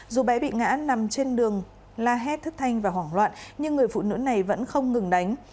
dù bé bị ngã nằm trên đường la hét thất thanh và hoảng loạn nhưng người phụ nữ này vẫn không ngừng đánh